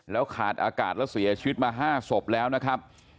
แล้วขาดอากาศแล้วเสียชีวิตมา๕ศพแล้วนะครับ